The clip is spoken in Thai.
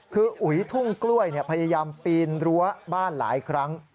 คืออุ๋ยทุ่งกล้วยพยายามปีนรั้วบ้านหลายครั้ง